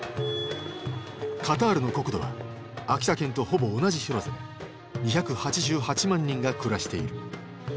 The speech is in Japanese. カタールの国土は秋田県とほぼ同じ広さで２８８万人が暮らしている。